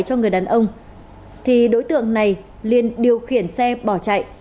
cho người đàn ông thì đối tượng này liên điều khiển xe bỏ chạy